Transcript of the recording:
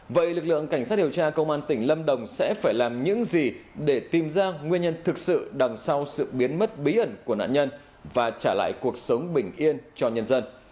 vậy lực lượng cảnh sát điều tra công an tỉnh lâm đồng sẽ phải làm những gì để tìm ra nguyên nhân thực sự đằng sau sự biến mất bí ẩn của nạn nhân và trả lại cuộc sống bình yên cho nhân dân